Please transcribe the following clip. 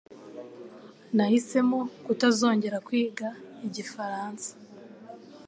Nahisemo kutazongera kwiga Igifaransa